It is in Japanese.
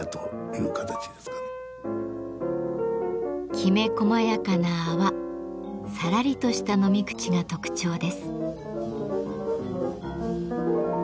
きめこまやかな泡さらりとした飲み口が特徴です。